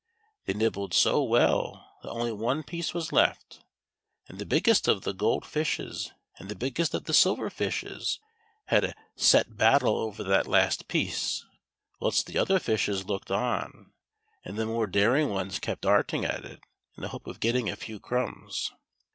They nibbled so well that only one piece Avas left, and the biggest of the gold fishes and the biggest of the silver fishes had a set battle over that last piece, whilst the other fishes looked on, and the more daring ones kept darting at it in the hope of getting a i^w crumbs.